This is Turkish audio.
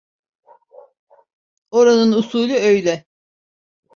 Oranın usulü öyle…